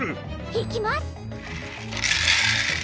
いきます！